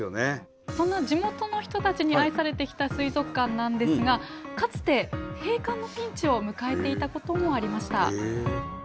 そんな地元の人たちに愛されてきた水族館なんですがかつて閉館のピンチを迎えていたこともありました。